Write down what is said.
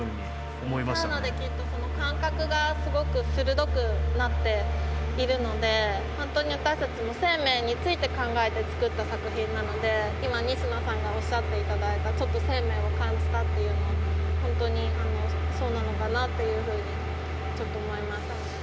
サウナできっと感覚がすごく鋭くなっているので本当に私たちも生命について考えてつくった作品なので今仁科さんがおっしゃって頂いたちょっと生命を感じたっていうのは本当にそうなのかなっていうふうに思いました。